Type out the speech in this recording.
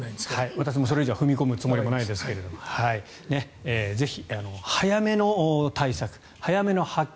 私もそれ以上踏み込むつもりもないですがぜひ早めの対策早めの発見。